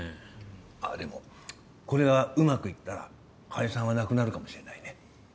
ああでもこれがうまくいったら解散はなくなるかもしれないね。